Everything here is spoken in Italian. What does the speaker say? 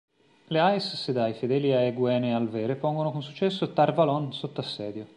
Le Aes Sedai fedeli ad Egwene al'Vere pongono con successo Tar Valon sotto assedio.